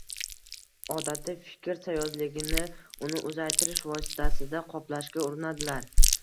Odatda fikr sayozligini uni uzaytirish vositasida qoplashga urinadilar.